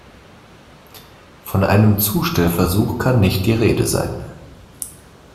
Von einem Zustellversuch kann nicht die Rede sein.